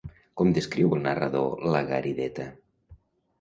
Com descriu el narrador la Garideta?